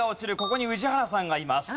ここに宇治原さんがいます。